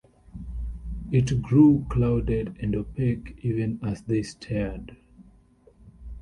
It grew clouded and opaque even as they stared.